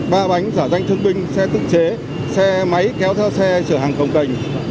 và ba bánh giả danh thương binh xe tự chế xe máy kéo theo xe chở hàng cộng cành